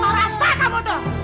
jangan merasa kamu tuh